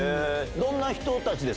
どんな人たちです？